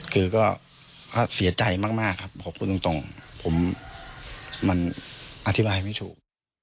คือก็เสียใจมากครับขอบคุณตรงผมมันอธิบายไม่ถูก